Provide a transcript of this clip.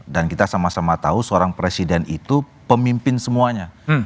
dan kita sama sama tahu seorang presiden itu pemimpin semuanya